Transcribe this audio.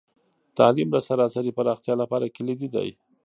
تعلیم د سراسري پراختیا لپاره کلیدي دی.